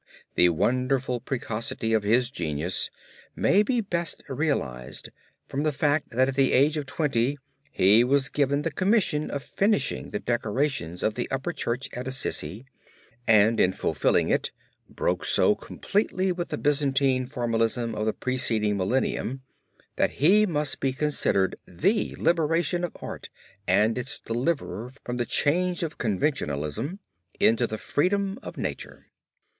The wonderful precocity of his genius may be best realized from the fact that at the age of twenty he was given the commission of finishing the decorations of the upper Church at Assisi, and in fulfilling it broke so completely with the Byzantine formalism of the preceding millennium, that he must be considered the liberator of art and its deliverer from the chains of conventionalism into the freedom of nature.